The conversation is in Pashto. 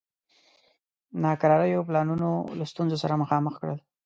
ناکراریو پلانونه له ستونزو سره مخامخ کړل.